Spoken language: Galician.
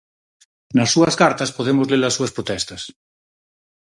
Nas súas cartas podemos ler as súas protestas.